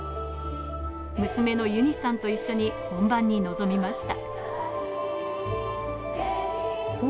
娘の由似さんと一緒に本番に臨みました。